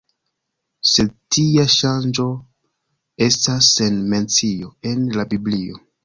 Sed tia ŝanĝo estas sen mencio en la Biblio.